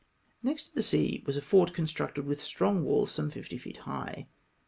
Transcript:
Next to the sea was a fort constructed with strong walls some 50 feet high.